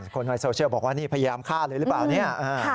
คนในโซเชียลบอกว่านี่พยายามฆ่าเลยหรือเปล่าเนี่ย